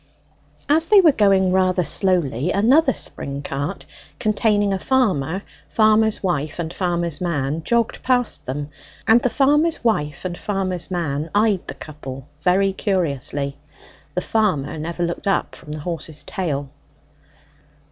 As they were going rather slowly, another spring cart, containing a farmer, farmer's wife, and farmer's man, jogged past them; and the farmer's wife and farmer's man eyed the couple very curiously. The farmer never looked up from the horse's tail.